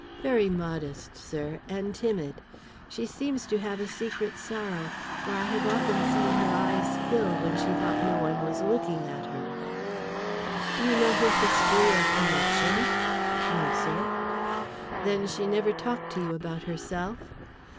"Very modest, sir, and timid. She seems to have a secret sorrow, for I have often seen her eyes fill when she thought no one was looking at her." "Do you know her history or connections?" "No, sir." "Then she never talked to you about herself?"